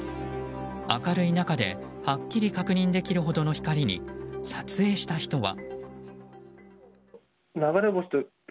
明るい中ではっきり確認できるほどの光に撮影した人は。